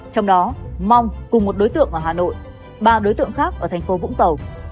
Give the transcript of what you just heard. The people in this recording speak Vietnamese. trong đó mong cùng một đối tượng ở hà nội ba đối tượng khác ở thành phố vũng tàu